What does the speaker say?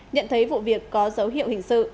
nhận thấy vụ việc có dấu hiệu hình sự